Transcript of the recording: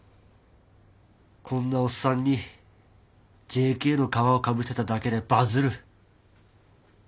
こんなおっさんにＪＫの皮をかぶせただけでバズる。